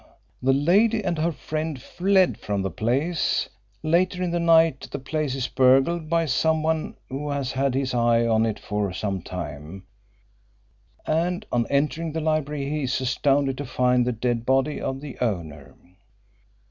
The lady and her friend fled from the place. Later in the night the place is burgled by some one who has had his eye on it for some time, and on entering the library he is astounded to find the dead body of the owner.